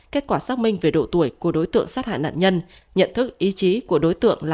kết quả xác minh về độ tuổi của đối tượng sát hại nạn nhân nhận thức ý chí của đối tượng là